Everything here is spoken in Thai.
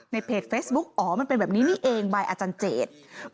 เพจเฟซบุ๊กอ๋อมันเป็นแบบนี้นี่เองใบอาจารย์เจต